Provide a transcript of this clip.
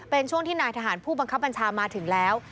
เป็นช่วงที่นายทหารผู้บังคับบัญชามาถึงแล้ว